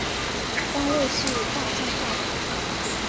官位是大藏大辅。